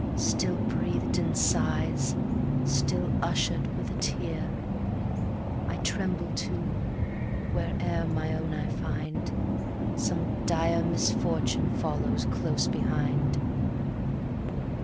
Still breathed in sighs, still usher'd with a tear. I tremble too, where'er my own I find, Some dire misfortune follows close behind.